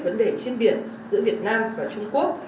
vấn đề trên biển giữa việt nam và trung quốc